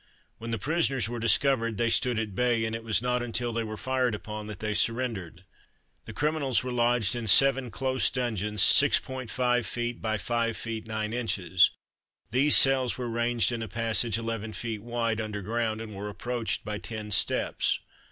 When the prisoners were discovered, they stood at bay, and it was not until they were fired upon, that they surrendered. The criminals were lodged in seven close dungeons 6.5 feet by 5 feet 9 inches. These cells were ranged in a passage 11 feet wide, under ground, and were approached by ten steps.